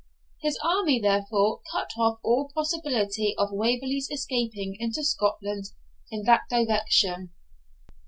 His army, therefore, cut off all possibility of Waverley's escaping into Scotland in that direction.